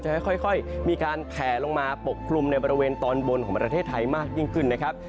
ค่อยมีการแผลลงมาปกคลุมในบริเวณตอนบนของประเทศไทยมากยิ่งขึ้นนะครับ